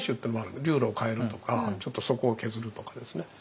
流路を変えるとかちょっと底を削るとかですね。